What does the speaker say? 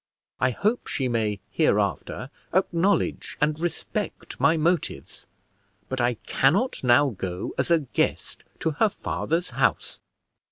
I hope she may hereafter acknowledge and respect my motives, but I cannot now go as a guest to her father's house."